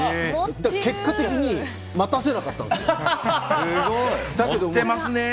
結果的に待たせなかったんですよ。持ってますねぇ。